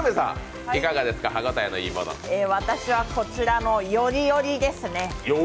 私はこちらのよりよりですね。